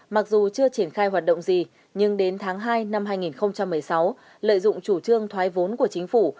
mặc dù chưa triển khai hoạt động gì nhưng đến tháng hai năm hai nghìn một mươi sáu lợi dụng chủ trương thoái vốn của chính phủ